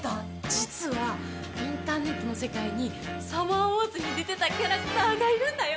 実はインターネットの世界に『サマーウォーズ』に出てたキャラクターがいるんだよ。